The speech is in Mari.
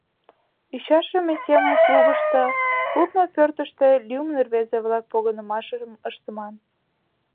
Ӱчашыме семын клубышто, лудмо пӧртыштӧ лӱмын рвезе-влак погынымашым ыштыман.